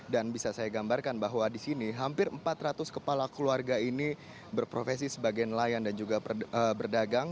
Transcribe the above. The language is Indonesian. dan bisa saya gambarkan bahwa di sini hampir empat ratus kepala keluarga ini berprofesi sebagai nelayan dan juga berdagang